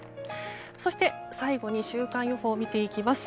そして、最後に週間予報を見ていきます。